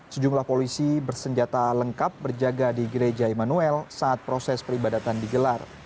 sejumlah polisi bersenjata lengkap berjaga di gereja emmanuel saat proses peribadatan digelar